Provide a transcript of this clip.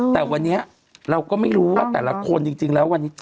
แต่วันนี้เราก็ไม่รู้ว่าแต่ละคนจริงแล้ววันนี้